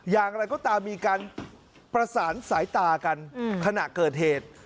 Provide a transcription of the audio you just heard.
อย่างไรก็ตามมีการประสานสายตากันขณะเกิดเหตุ